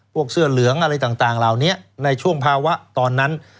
เสื้อเหลืองอะไรต่างเหล่านี้ในช่วงภาวะตอนนั้น